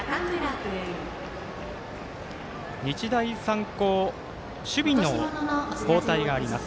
日大三高守備の交代があります。